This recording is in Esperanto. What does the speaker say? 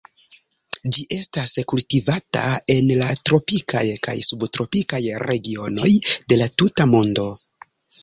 Ĝi estas kultivata en la tropikaj kaj subtropikaj regionoj de la tuta mondo.